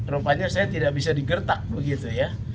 rupanya saya tidak bisa digertak begitu ya